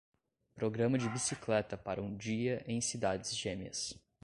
Programa de bicicleta para um dia em cidades gêmeas